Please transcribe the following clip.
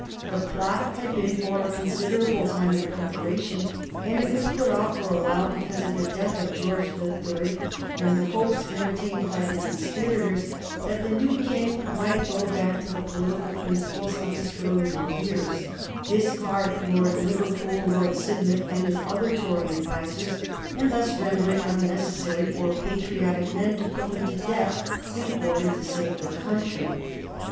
The plot had been for a considerable time in preparation, and it was put off for a while because of the death of George the Third, and the hopes entertained by the conspirators that the new King might go back to the political principles of his earlier years, discard Lord Liverpool, Lord Sidmouth, and his other Tory advisers, and thus render it unnecessary for patriotic men to put them to death in order to save the country.